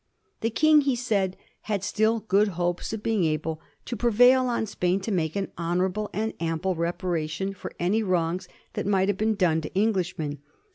The King, he said, had still good hopes of being able to prevail on Spain to make an honorable and ample reparation for any wrongs that might have been done to Englishmen.